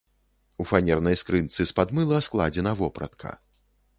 У фанернай скрынцы з-пад мыла складзена вопратка.